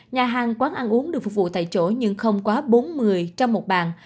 nhà hàng quán ăn uống được phục vụ tại chỗ nhưng không quá bốn người trong một bàn